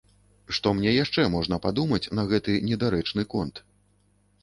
Што мне яшчэ можна падумаць на гэты недарэчны конт?